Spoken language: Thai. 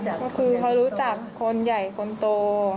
ก็คือเขารู้จักคนใหญ่คนโต